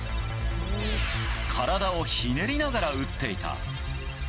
体をひねりながら打っていた。